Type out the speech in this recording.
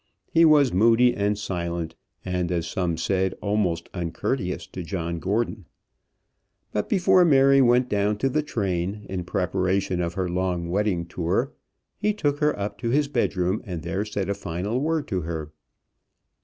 He was moody and silent, and, as some said, almost uncourteous to John Gordon. But before Mary went down to the train, in preparation of her long wedding tour, he took her up to his bedroom, and there said a final word to her.